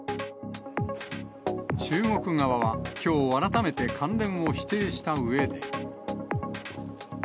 中国側はきょう改めて関連を否定したうえで。